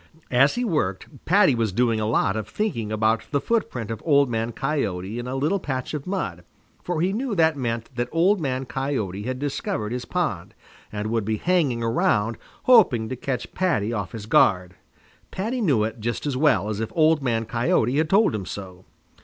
As he worked, Paddy was doing a lot of thinking about the footprint of Old Man Coyote in a little patch of mud, for he knew that meant that Old Man Coyote had discovered his pond, and would be hanging around, hoping to catch Paddy off his guard. Paddy knew it just as well as if Old Man Coyote had told him so.